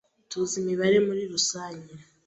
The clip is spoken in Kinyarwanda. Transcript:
tuzi imibare muri rusange